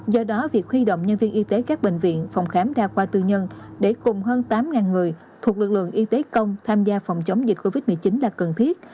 do đó việc huy động nhân viên y tế các bệnh viện phòng khám đa khoa tư nhân để cùng hơn tám người thuộc lực lượng y tế công tham gia phòng chống dịch covid một mươi chín là cần thiết